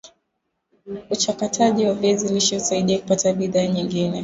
uchakataji wa viazi lishe husaidia kupata bidhaa nyingine